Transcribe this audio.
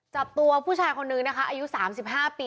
จับตัวผู้ชายคนนึงนะคะอายุสามสิบห้าปี